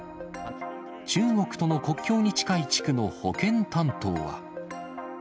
中国との国境に近い地区の保健担当は。